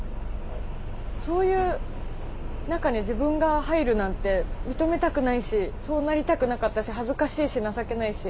そういう中に自分が入るなんて認めたくないしそうなりたくなかったし恥ずかしいし情けないし